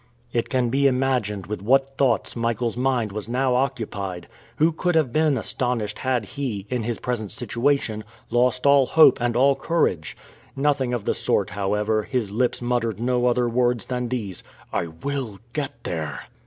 It can be imagined with what thoughts Michael's mind was now occupied! Who could have been astonished had he, in his present situation, lost all hope and all courage? Nothing of the sort, however; his lips muttered no other words than these: "I will get there!"